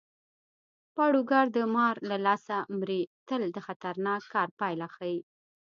پاړوګر د مار له لاسه مري متل د خطرناک کار پایله ښيي